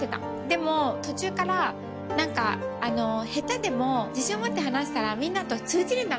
でも途中から下手でも自信を持って話したらみんなと通じるんだな。